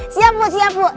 siap bu siap bu